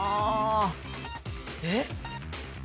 えっ？